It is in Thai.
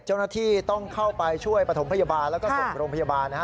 เจ้าหน้าที่ต้องเข้าไปช่วยประถมพยาบาลแล้วก็ส่งโรงพยาบาลนะฮะ